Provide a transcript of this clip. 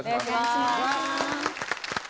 お願いします